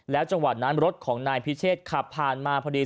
จังหวะนั้นรถของนายพิเชษขับผ่านมาพอดี